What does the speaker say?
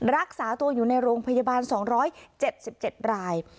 รักษาตัวอยู่ในโรงพยาบาล๒๗๗ราย